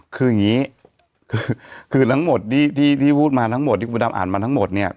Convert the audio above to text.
คืออย่างนี้คือทั้งหมดที่พูดมาทั้งหมดที่คุณพระดำอ่านมาทั้งหมดเนี่ย